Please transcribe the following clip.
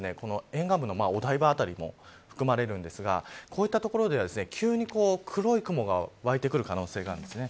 沿岸部のお台場辺りも含まれるんですがこういった所では急に黒い雲がわいてくる可能性があるんですね。